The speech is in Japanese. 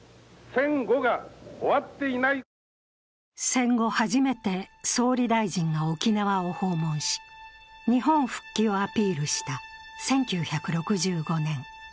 戦後、初めて総理大臣が沖縄を訪問し、日本復帰をアピールした１９６５年。